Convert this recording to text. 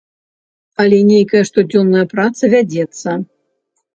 Але нейкая штодзённая праца вядзецца.